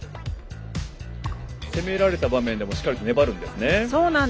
攻められた場面でもしっかりと粘れるんですね。